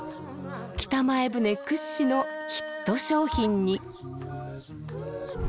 北前船屈指のヒット商品に。